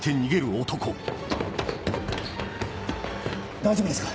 大丈夫ですか？